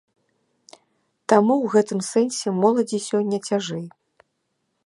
Таму ў гэтым сэнсе моладзі сёння цяжэй.